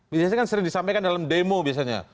biasanya kan sering disampaikan dalam demo biasanya